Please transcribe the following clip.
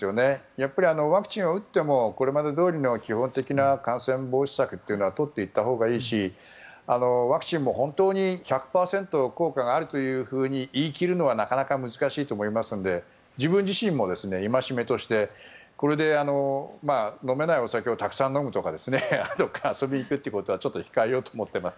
やっぱりワクチンを打ってもこれまでどおりの基本的な感染防止策は取っていったほうがいいしワクチンも本当に１００％効果があるというふうに言い切るのはなかなか難しいと思うので自分自身も戒めとしてこれで、飲めないお酒をたくさん飲むとかどこかに遊びに行くとかは控えようと思っています。